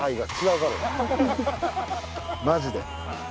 マジで。